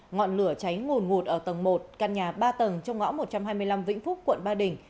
ngọn lửa cháy ngồn ngụt ở tầng một căn nhà ba tầng trong ngõ một trăm hai mươi năm vĩnh phúc quận ba đình